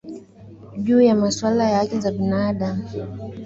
juu ya masuala ya haki za binaadamu